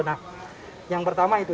nah yang pertama itu